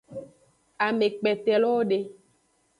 Amekpetelowo de.